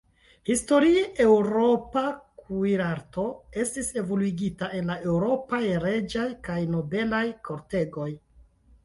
Historie, eŭropa kuirarto estis evoluigita en la eŭropaj reĝaj kaj nobelaj kortegoj.